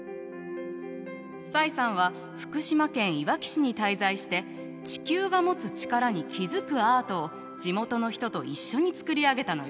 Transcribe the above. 蔡さんは福島県いわき市に滞在して地球が持つチカラに気づくアートを地元の人と一緒に作り上げたのよ。